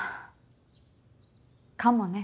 かもね。